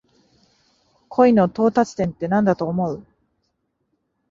恋の到達点ってなんだと思う？